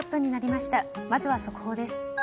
まずは速報です。